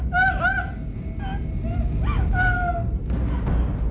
pak omar pak omar